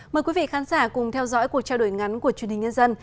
mời quý vị khán giả cùng theo dõi cuộc trao đổi ngắn của truyền hình nhân dân